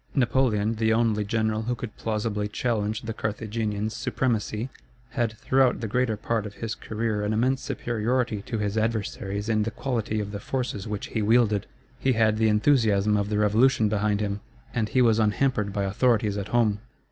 Napoleon, the only general who could plausibly challenge the Carthaginian's supremacy, had throughout the greater part of his career an immense superiority to his adversaries in the quality of the forces which he wielded. He had the enthusiasm of the Revolution behind him, and he was unhampered by authorities at home.